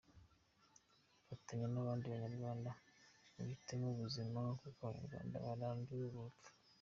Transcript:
Fatanya nabandi banyarwanda uhitemo ubuzima, kuko abanyarwanda barambiwe urupfu.